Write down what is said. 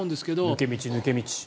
抜け道、抜け道。